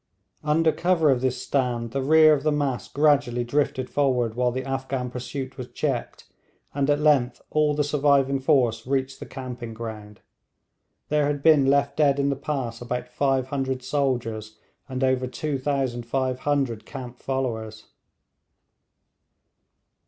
Under cover of this stand the rear of the mass gradually drifted forward while the Afghan pursuit was checked, and at length all the surviving force reached the camping ground. There had been left dead in the pass about 500 soldiers and over 2500 camp followers.